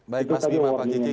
baik mas bima pak kiki